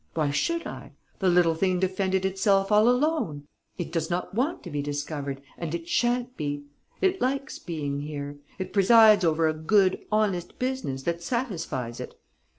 Why should I? The little thing defended itself all alone.... It does not want to be discovered and it sha'n't be.... It likes being here.... It presides over a good, honest business that satisfies it....